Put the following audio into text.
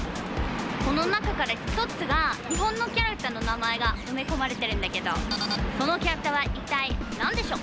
この中から１つが日本のキャラクターの名前が埋め込まれてるんだけどそのキャラクターは一体何でしょう？